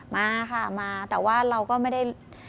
มาค่ะมาแต่ว่าเราก็ไม่ได้